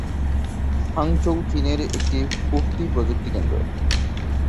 Hangzhou চীনের একটি উঠতি প্রযুক্তিকেন্দ্র।